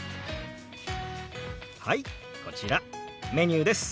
はいこちらメニューです。